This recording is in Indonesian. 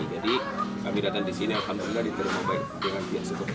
nanti kita tarik dulu nanti kita komunikasi lagi pak